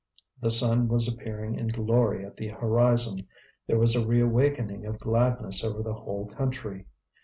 The sun was appearing in glory at the horizon, there was a reawakening of gladness over the whole country.